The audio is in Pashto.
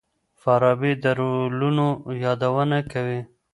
فارابي د رولونو يادونه کوي.